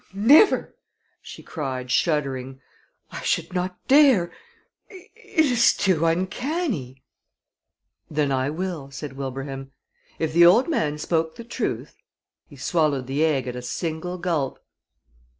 "Never!" she cried, shuddering. "I should not dare. It is too uncanny." "Then I will," said Wilbraham. "If the old man spoke the truth " He swallowed the egg at a single gulp.